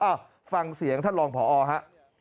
อ้าวฟังเสียงท่านรองพศฮะ